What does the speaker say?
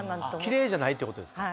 奇麗じゃないってことですか。